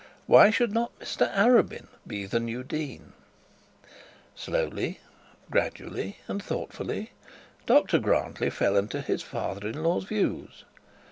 Why should not Mr Arabin be the new dean? Slowly, gradually, thoughtfully, Dr Grantly fell into his father in law's views.